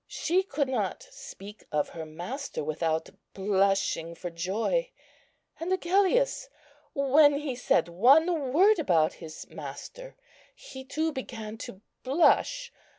She could not speak of her Master without blushing for joy.... And Agellius, when he said one word about his Master, he too began to blush...."